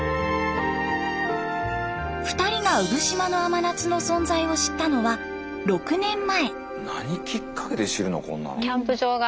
２人が産島の甘夏の存在を知ったのは６年前。